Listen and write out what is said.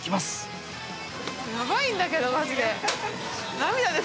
すごいんだけど、まじで。